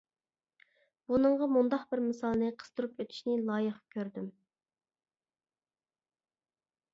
بۇنىڭغا مۇنداق بىر مىسالنى قىستۇرۇپ ئۆتۈشنى لايىق كۆردۈم.